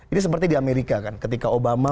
ini seperti di amerika kan ketika obama